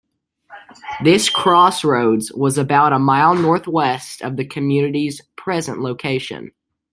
This crossroads was about a mile northwest of the community's present location.